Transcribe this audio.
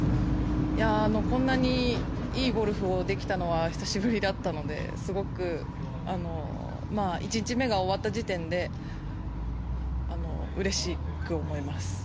こんなにいいゴルフをできたのは久しぶりだったのですごく、１日目が終わった時点でうれしく思います。